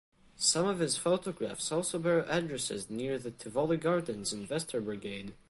Some of his photographs also bear addresses near the Tivoli Gardens and Vesterbrogade.